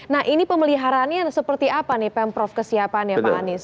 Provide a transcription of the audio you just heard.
nah ini pemeliharaannya seperti apa nih pemprov kesiapannya pak anies